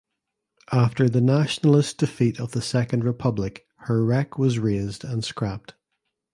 After the Nationalist defeat of the Second Republic her wreck was raised and scrapped.